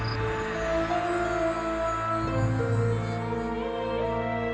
nini akan memberikan apapun